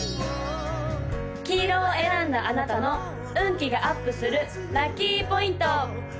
黄色を選んだあなたの運気がアップするラッキーポイント！